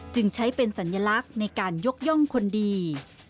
จึงใช้เป็นสัญลักษณ์ในการยกย่องคนดี